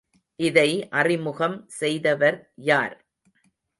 இதை அறிமுகம் செய்தவர் யார்?